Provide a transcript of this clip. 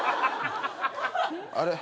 あれ？